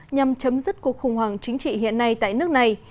nhằm chấm dứt cuộc khủng hoảng chính trị hiện nay tại nước này